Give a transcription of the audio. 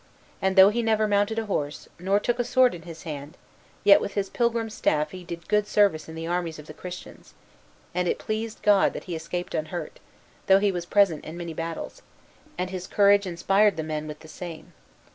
And though he never mounted a horse, nor took a sword in his hand, yet with his pilgrim's staff he did good service in the armies of the Christians; and it pleased God that he escaped unhurt, though he was present in many battles, and his courage inspired the men with the same.